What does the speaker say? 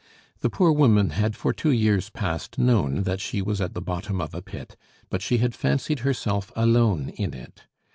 The poor woman had for two years past known that she was at the bottom of a pit, but she had fancied herself alone in it.